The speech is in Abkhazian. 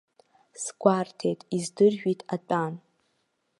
Сгәарҭеит, исдыржәит атәан.